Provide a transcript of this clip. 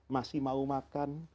masih mau makan